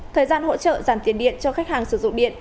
thời gian hỗ trợ giảm tiền điện cho khách hàng sử dụng điện